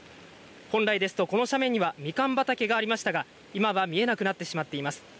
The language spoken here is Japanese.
本来ですと、この斜面にはみかん畑がありましたが今は見えなくなっています。